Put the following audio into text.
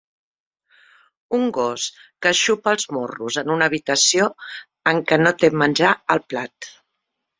Un gos que es xupa els morros en una habitació en què no té menjar al plat